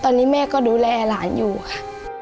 ตอนนี้แม่ก็ดูแลหลานอยู่ค่ะ